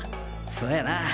そやな！